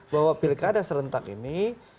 bahwa pilkada serentak ini